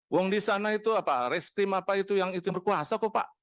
uang di sana itu apa reskrim apa itu yang berkuasa kok pak